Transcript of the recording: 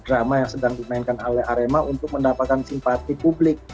drama yang sedang dimainkan oleh arema untuk mendapatkan simpati publik